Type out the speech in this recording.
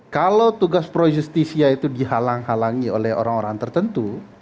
kalau tugas pro justisia itu dihalang halangi oleh orang orang tertentu